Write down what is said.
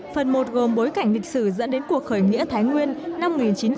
phần một gồm bối cảnh lịch sử dẫn đến cuộc khởi nghĩa thái nguyên năm một nghìn chín trăm bảy mươi